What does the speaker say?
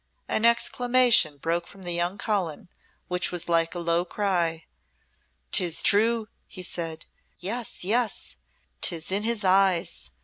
An exclamation broke from the young Colin which was like a low cry. "Tis true!" he said. "Yes, yes; 'tis in his eyes.